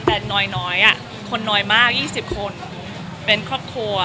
แต่น้อยคนน้อยมาก๒๐คนเป็นครอบครัว